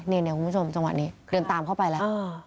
นี่คุณผู้ชมจังหวะนี้เดินตามเข้าไปแล้ว